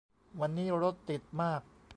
วันนี้รถติดมาก